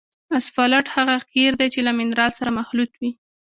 اسفالټ هغه قیر دی چې له منرال سره مخلوط وي